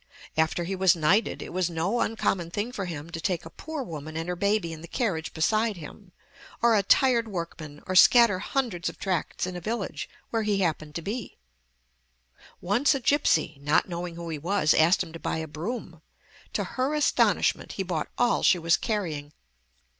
After he was knighted, it was no uncommon thing for him to take a poor woman and her baby in the carriage beside him, or a tired workman, or scatter hundreds of tracts in a village where he happened to be. Once a gypsy, not knowing who he was, asked him to buy a broom. To her astonishment, he bought all she was carrying!